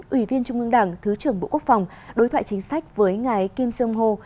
ủy viên trung ương đảng thứ trưởng bộ quốc phòng đối thoại chính sách với ngài kim jong ho